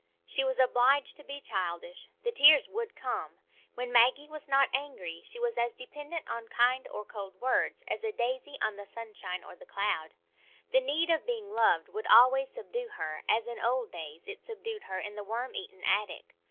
She was obliged to be childish; the tears would come. When Maggie was not angry, she was as dependent on kind or cold words as a daisy on the sunshine or the cloud; the need of being loved would always subdue her, as, in old days, it subdued her in the worm eaten attic.